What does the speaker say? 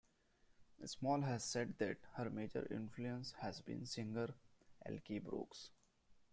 Small has said that her major influence has been singer Elkie Brooks.